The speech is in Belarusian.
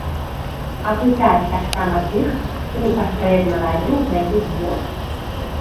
Апытаць таксама тых, хто непасрэдна ладзіў гэты збор.